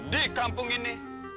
di kampung ini